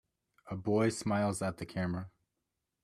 A boy smiles at the camera.